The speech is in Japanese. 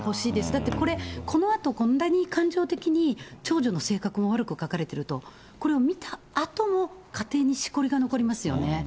だってこれ、このあとこんなに感情的に、長女の性格も悪く書かれてると、これを見たあとも家庭にしこりが残りますよね。